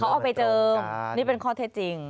เอาไปเจิมนี่เป็นข้อเท็จจริง